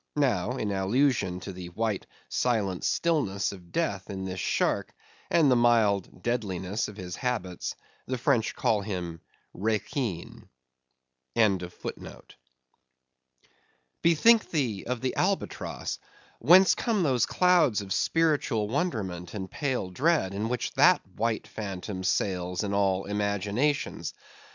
Now, in allusion to the white, silent stillness of death in this shark, and the mild deadliness of his habits, the French call him Requin. Bethink thee of the albatross, whence come those clouds of spiritual wonderment and pale dread, in which that white phantom sails in all imaginations?